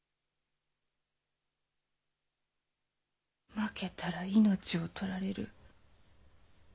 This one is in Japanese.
負けたら命を取られる。